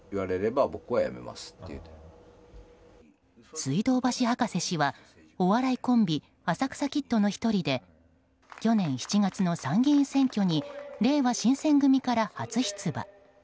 水道橋博士氏はお笑いコンビ浅草キッドの１人で去年７月の参議院選挙にれいわ新選組から初出馬。